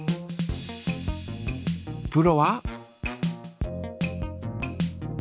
プロは？